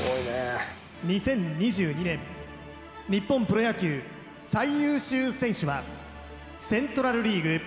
２０２２年日本プロ野球最優秀選手はセントラル・リーグ